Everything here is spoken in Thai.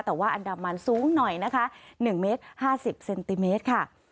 แต่ว่าอันดับมันสูงหน่อยนะคะหนึ่งเมตรห้าสิบเซนติเมตรค่ะ